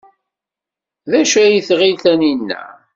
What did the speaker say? D acu ay tɣil Taninna?